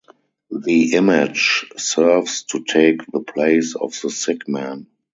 The image serves to take the place of the sick man.